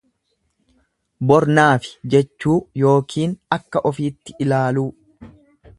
Bor naafi jechuu yookiin akka ofiitti ilaaluu.